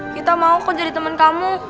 kita mau kok jadi teman kamu